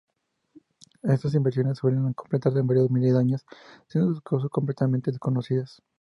Estas inversiones suelen completarse en varios miles de años; siendo sus causas completamente desconocidas.